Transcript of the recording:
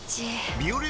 「ビオレ」